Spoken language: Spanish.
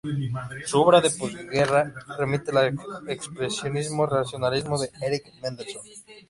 Su obra de posguerra remite al expresionismo racionalista de Erich Mendelsohn.